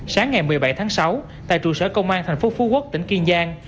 sáng ngày một mươi bảy tháng sáu tại trụ sở công an thành phố phú quốc tỉnh kiên giang